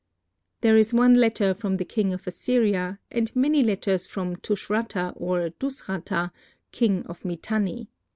There is one letter from the king of Assyria and many letters from Tushratta, or Dusratta, king of Mitanni.